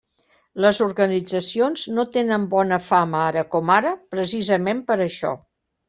Les organitzacions no tenen bona fama ara com ara precisament per això.